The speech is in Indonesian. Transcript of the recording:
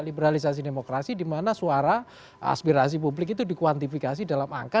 liberalisasi demokrasi dimana suara aspirasi publik itu dikuantifikasi dalam angka